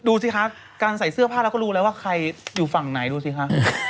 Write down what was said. ดูสิคะการใส่เสื้อผ้าเราก็รู้แล้วว่าใครอยู่ฝั่งไหนดูสิคะ